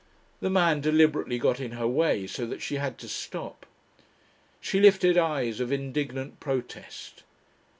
The man deliberately got in her way so that she had to stop. She lifted eyes of indignant protest.